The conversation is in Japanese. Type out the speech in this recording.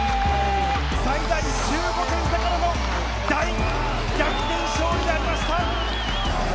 最大１５点差を大逆転勝利でありました！